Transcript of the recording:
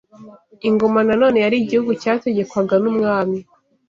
Ingoma na none cyari ‘’Igihugu cyategekwaga n’umwami